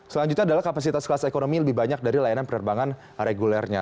selanjutnya adalah kapasitas kelas ekonomi lebih banyak dari layanan penerbangan regulernya